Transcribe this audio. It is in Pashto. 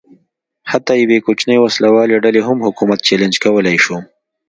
حتی یوې کوچنۍ وسله والې ډلې هم حکومت چلنج کولای شو.